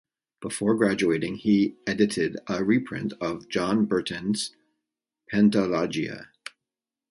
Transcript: Before graduating, he edited a reprint of John Burton's "Pentalogia".